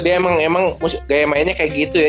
dia emang gaya mainnya kayak gitu ya